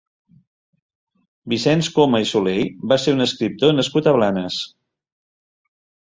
Vicenç Coma i Soley va ser un escriptor nascut a Blanes.